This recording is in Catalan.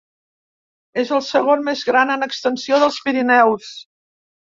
És el segon més gran en extensió dels Pirineus.